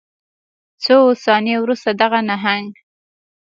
څو ثانیې وروسته دغه نهنګ